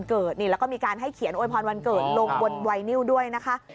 นี่ก็การให้เขียนโอไปนิวด้วยนะคะ